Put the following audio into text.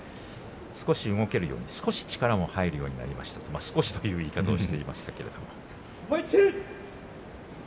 少し動けるように、少し力も入るようになりましたと少しという言い方をしていましたけれども。